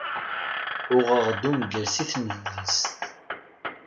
Uɣeɣ-d ungal si tnedlist.